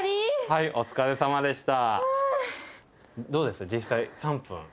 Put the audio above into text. はいお疲れさまでした。